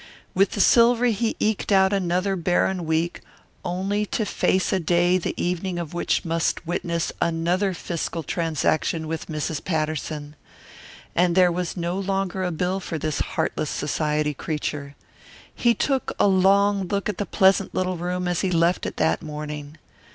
With the silver he eked out another barren week, only to face a day the evening of which must witness another fiscal transaction with Mrs. Patterson. And there was no longer a bill for this heartless society creature. He took a long look at the pleasant little room as he left it that morning.